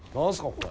これ。